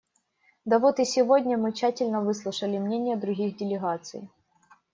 Да вот и сегодня мы тщательно выслушали мнения других делегаций.